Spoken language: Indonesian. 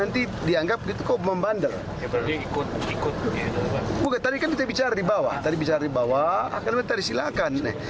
tadi kan kita bicara di bawah tadi bicara di bawah akan kita silakan